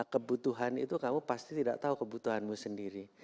kebutuhan itu kamu pasti tidak tahu kebutuhanmu sendiri